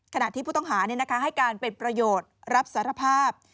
ขณะที่ผู้ต้องหาให้การเป็นประโยชน์รับสารภาพ